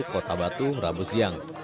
kota batu rabu siang